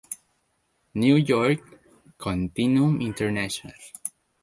New York: Continuum International.